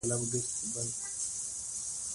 د انسان د ژوند ټولو برخو ته شامل دی،